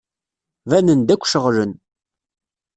Banen-d akk ceɣlen.